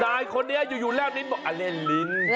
นายคนนี้อยู่แล้วลิ้นบอกเล่นลิ้น